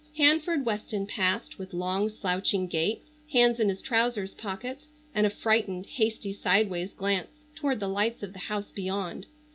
Hanford Weston passed, with long, slouching gait, hands in his trousers pockets, and a frightened, hasty, sideways glance toward the lights of the house beyond.